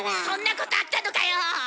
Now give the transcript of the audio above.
そんなことあったのかよ。